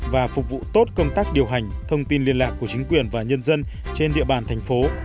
và phục vụ tốt công tác điều hành thông tin liên lạc của chính quyền và nhân dân trên địa bàn thành phố